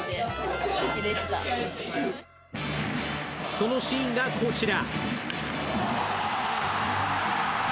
そのシーンがこちら。